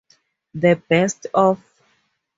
The Best Of.